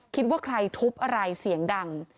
คิดว่าใครทุบอะไรเสียงดัง